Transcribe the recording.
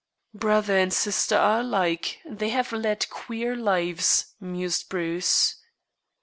"Brother and sister are alike. They have led queer lives," mused Bruce.